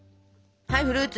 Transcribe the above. はいフルーツ